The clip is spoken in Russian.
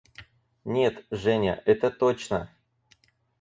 – Нет, Женя, это точно.